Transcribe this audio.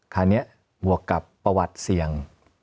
คราวนี้บวกกับประวัติเสี่ยง